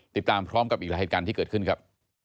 ติดตามพร้อมกับอีกหลายเหตุการณ์ที่เกิดขึ้นครับ